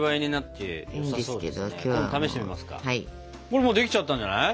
これもうできちゃったんじゃない？